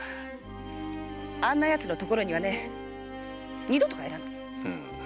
あんな奴のところには二度と帰らない！